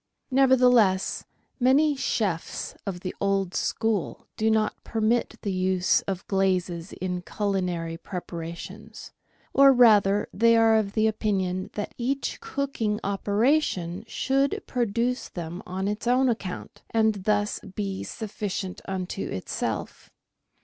Nevertheless, many chefs of the old school do not permit the use of glazes in culinary preparations, or, rather, they are of opinion that each cooking operation should produce them on its own account, and thus be sufficient unto itself.